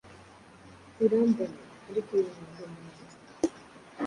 Urambone!” Ariko bimwanga mu nda,